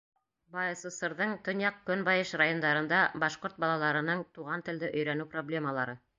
БАССР-ҙың төньяҡ- көнбайыш райондарында башҡорт балаларының туған телде өйрәнеү проблемалары.